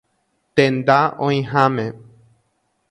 Tenda oĩháme.